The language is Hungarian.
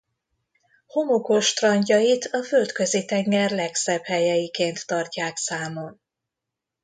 Homokos strandjait a Földközi-tenger legszebb helyeiként tartják számon.